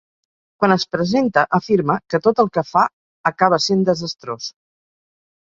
Quan es presenta, afirma que tot el que fa acaba sent desastrós.